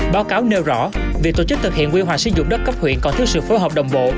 báo cáo nêu rõ việc tổ chức thực hiện quy hoạch sử dụng đất cấp huyện còn thiếu sự phối hợp đồng bộ